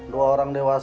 dua orang dewasa